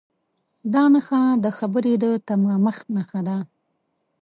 دا نښه د خبرې د تمامښت نښه ده.